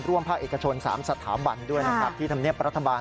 ภาคเอกชน๓สถาบันด้วยนะครับที่ธรรมเนียบรัฐบาล